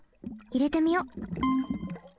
いれてみよ。